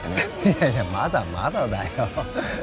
いやいやまだまだだよ